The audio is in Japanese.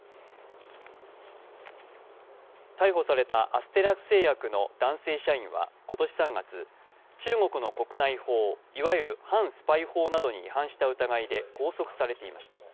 逮捕されたアステラス製薬の男性社員は今年３月中国の国内法、いわゆる反スパイ法などに違反した疑いで拘束されていました。